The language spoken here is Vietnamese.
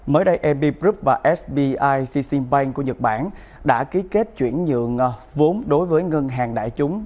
mới đây airb group và sbi csim bank của nhật bản đã ký kết chuyển nhượng vốn đối với ngân hàng đại chúng